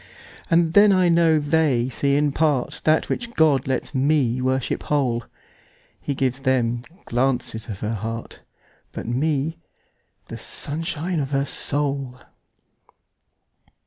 And then I know they see in partThat which God lets me worship whole:He gives them glances of her heart, But me, the sunshine of her soul.